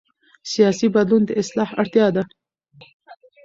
سیاسي بدلون د اصلاح اړتیا ده